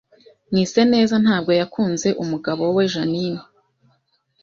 Mwiseneza ntabwo yakunze umugabo wa Jeaninne